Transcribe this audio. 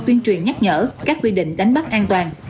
tuyên truyền nhắc nhở các quy định đánh bắt an toàn